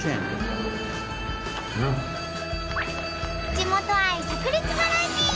地元愛さく裂バラエティー！